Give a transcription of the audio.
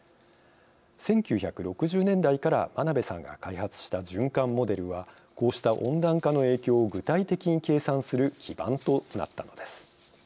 １９６０年代から真鍋さんが開発した循環モデルはこうした温暖化の影響を具体的に計算する基盤となったのです。